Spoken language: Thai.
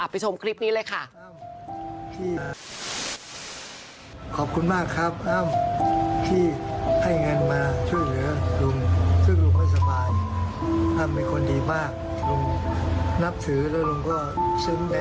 ชมคลิปนี้เลยค่ะ